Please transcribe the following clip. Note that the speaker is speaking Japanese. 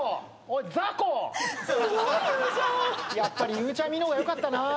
ゆうちゃみの方がよかったな。